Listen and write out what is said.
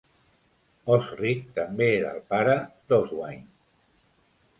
Osric també era el pare d'Oswine.